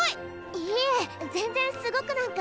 いえ全然すごくなんか。